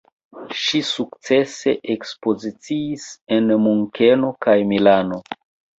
Ŝi sukcese ekspoziciis en Munkeno kaj Milano.